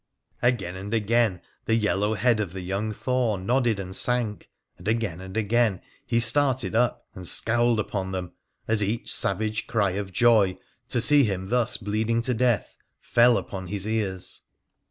Again and again the yellow head of the PHRA THE PHCENICIAN 55 young Thor nodded and sank, and again and again he started up and scowled upon them, as eacli savage cry of joy, to see him thus bleeding to death, fell upon his ears.